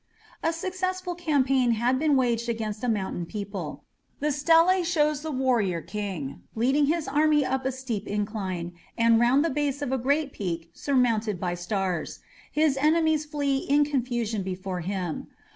A successful campaign had been waged against a mountain people. The stele shows the warrior king leading his army up a steep incline and round the base of a great peak surmounted by stars. His enemies flee in confusion before him.